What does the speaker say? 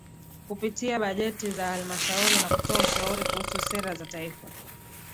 kupitia bajeti za halmashauri na kutoa ushauri kuhusu sera za taifa